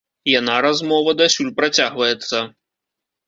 Яна, размова, дасюль працягваецца.